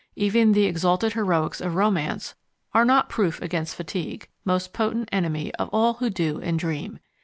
Even the exalted heroics of romance are not proof against fatigue, most potent enemy of all who do and dream.